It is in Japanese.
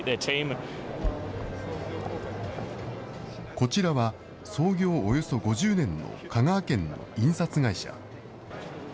こちらは、創業およそ５０年の香川県の印刷会社。